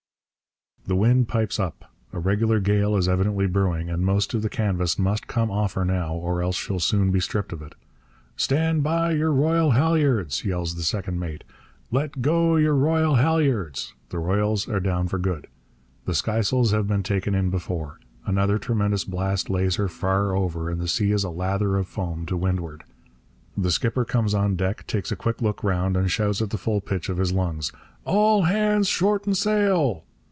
The wind pipes up: a regular gale is evidently brewing; and most of the canvas must come off her now or else she'll soon be stripped of it. 'Stand by your royal halliards!' yells the second mate. 'Let go your royal halliards!' The royals are down for good. The skysails have been taken in before. Another tremendous blast lays her far over, and the sea is a lather of foam to windward. The skipper comes on deck, takes a quick look round, and shouts at the full pitch of his lungs: 'All hands shorten sail!'